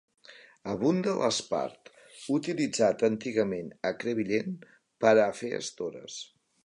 Abunda l'espart, utilitzat antigament a Crevillent per a fer estores.